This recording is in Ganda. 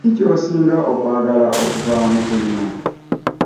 Kiki ky'osinga okwagala okuva mu kulima?